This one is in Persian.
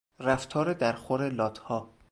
رفتار در خور لاتها